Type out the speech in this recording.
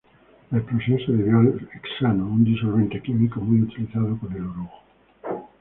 La explosión se debió al hexano, un disolvente químico muy utilizado con el orujo.